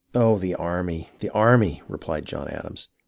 *" "Oh, the army, the army!" replied John Adams.